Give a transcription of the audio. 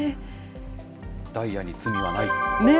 ダイヤに罪はない。